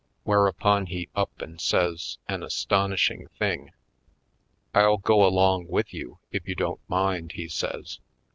Whereupon he up and says an aston ishing thing: "I'll go along with you if you don't mind," he says.